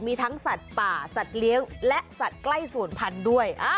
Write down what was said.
มีทั้งสัตว์ป่าสัตว์เลี้ยงและสัตว์ใกล้ศูนย์พันธุ์ด้วย